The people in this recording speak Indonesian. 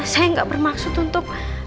saya gak bermaksud untuk